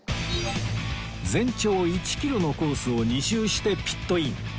全長１キロのコースを２周してピットイン